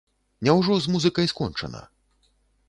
Няўжо з музыкай скончана?